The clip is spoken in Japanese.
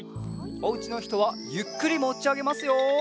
おうちのひとはゆっくりもちあげますよ。